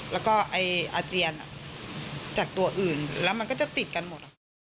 แล้วก็อาเจียนจากตัวอื่นแล้วมันก็จะติดกันหมด